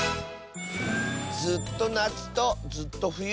ずっとなつとずっとふゆ。